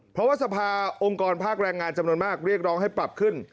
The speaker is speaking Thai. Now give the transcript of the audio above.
เพราะว่าสภาองค์กรภาคแรงงานจำนวนมากเรียกร้องให้ปรับขึ้น